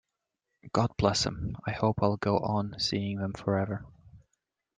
God bless 'em, I hope I'll go on seeing them forever.